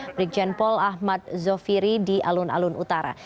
brigjen paul ahmad zofiri di alun alun utara